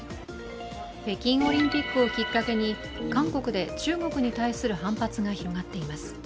北京オリンピックをきっかけに、韓国で中国に対する反発が広がっています。